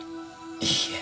いいえ。